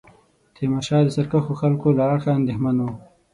تیمورشاه د سرکښو خلکو له اړخه اندېښمن وو.